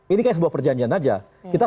ini kayak sebuah perjanjian aja kita